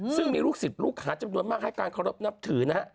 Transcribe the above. ซึ่งมีลูกศิษฐ์ลูกขาดจำนวนมากให้การค้อนรบนับถือนะ